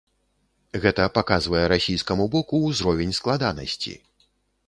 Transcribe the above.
Гэта паказвае расійскаму боку ўзровень складанасці.